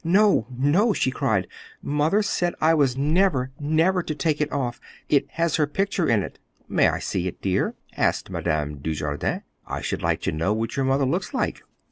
"No, no," she cried. "Mother said I was never, never to take it off. It has her picture in it." "May I see it, dear?" asked Madame Dujardin. "I should like to know what your mother looks like."